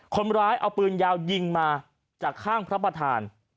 คนร้ายเอาปืนยาวยิงมาจากข้างพระประธาน